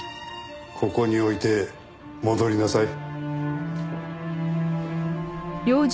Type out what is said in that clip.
ここに置いて戻りなさい。